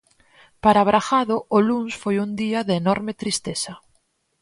Para Bragado o luns foi un día de enorme tristeza.